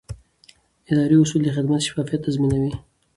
اداري اصول د خدمت شفافیت تضمینوي.